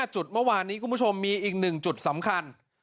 จุดเมื่อวานนี้คุณผู้ชมมีอีก๑จุดสำคัญ